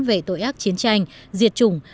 về tội ác chiến tranh diệt chủng